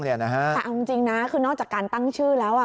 แต่เอาจริงนะคือนอกจากการตั้งชื่อแล้ว